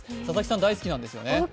佐々木さん大好きなんですよね？